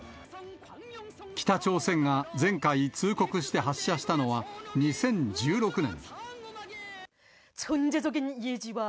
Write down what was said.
北朝鮮が前回通告して発射したのは、２０１６年。